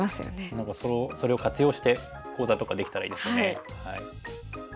何かそれを活用して講座とかできたらいいですよね。